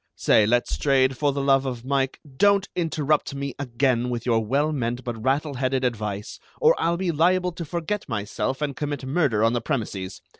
"Say, Letstrayed, for the love of Mike, don't interrupt me again with your well meant but rattle headed advice, or I'll be liable to forget myself and commit murder on the premises.